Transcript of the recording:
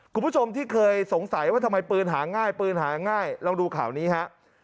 คุณผู้ชมที่เคยสงสัยว่าทำไมปืนหาง่ายปืนหาง่ายลองดูข่าวนี้ฮะ